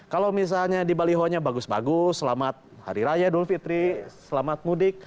kalau misalnya di baliho nya bagus bagus selamat hari raya dulu fitri selamat mudik